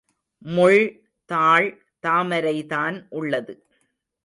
முள் தாள் தாமரைதான் உள்ளது.